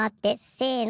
「せの！」